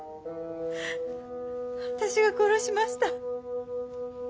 私が殺しました。